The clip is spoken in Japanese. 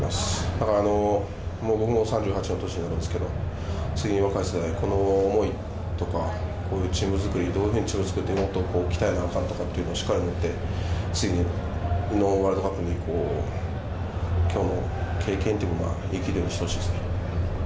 だから、僕も３８の年になるんですけれども、次の若い世代、この思いとか、こういうチーム作り、どういうふうにチームを鍛えなあかんとかしっかり持って、次のワールドカップにきょうの経験というものが生きるようにしてほしいですね。